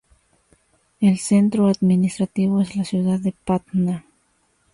El centro administrativo es la ciudad de Patna.